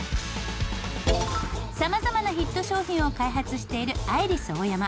さまざまなヒット商品を開発しているアイリスオーヤマ。